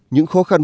những khó khăn